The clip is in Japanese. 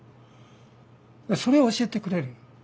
それを教えてくれる。